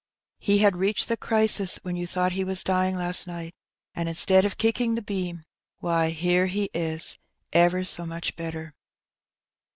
He had reached the crisis when you thought he was dying last night, and instead of kicking the beam, why, here he is ever so much better."